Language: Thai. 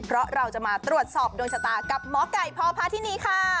เพราะเราจะมาตรวจสอบดวงชะตากับหมอไก่พอพาที่นี่ค่ะ